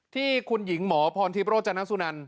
ที่คุณหญิงหมอพรธิบรจนสุนันท์